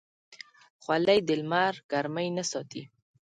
خولۍ د لمر ګرمۍ نه ساتي.